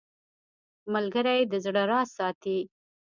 ملګری د زړه راز ساتي